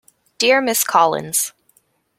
Dear Ms Collins.